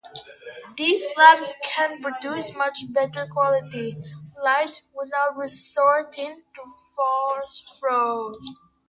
These lamps can produce much better quality light without resorting to phosphors.